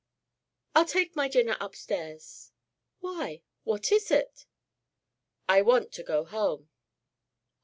"I'll take my dinner upstairs why what is it?" "I want to go home."